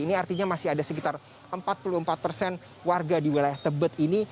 ini artinya masih ada sekitar empat puluh empat persen warga di wilayah tebet ini